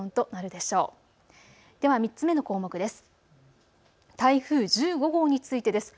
では３つ目の項目です。